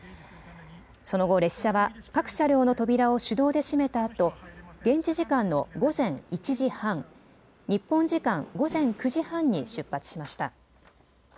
その後列車は各車両の扉を手動で閉めたあと現地時間の午前１時半、日本時間午前９時半に出発しました。